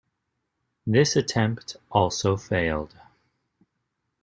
This attempt also failed.